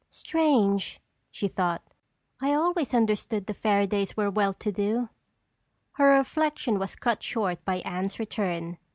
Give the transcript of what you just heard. "Strange," she thought, "I always understood the Fairadays were well to do." Her reflection was cut short by Anne's return.